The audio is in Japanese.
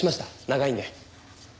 長いんで。